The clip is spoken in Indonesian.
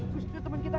ke teman kita